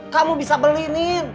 kamu bisa beli nin